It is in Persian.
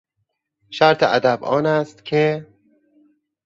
شرط ادب آن است که...